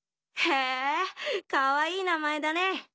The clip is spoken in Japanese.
へぇかわいい名前だね